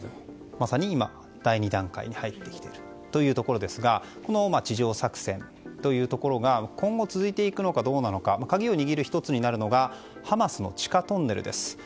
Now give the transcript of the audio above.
まさに今、第２段階に入ってきているということですがこの地上作戦というところが今後続くのかどうか鍵を握る１つになるのがハマスの地下トンネルです。